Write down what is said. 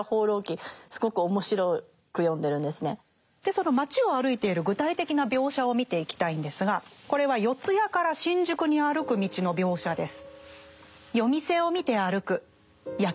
その街を歩いている具体的な描写を見ていきたいんですがこれは四谷から新宿に歩く道の描写です。